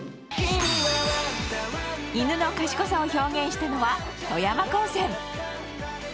犬の賢さを表現したのは富山高専。